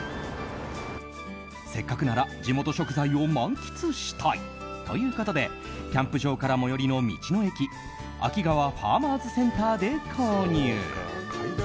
せっかくなら地元食材を満喫したい！ということでキャンプ場から最寄りの道の駅秋川ファーマーズセンターで購入。